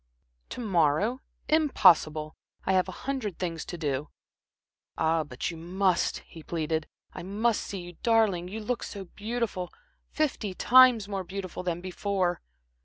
"To morrow! Impossible! I have a hundred things to do." "Ah, but you must," he pleaded. "I must see you. Darling you look so beautiful fifty times more beautiful than before."